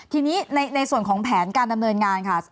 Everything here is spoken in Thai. ทีนี้ในส่วนของแผนการดำเนินงานค่ะ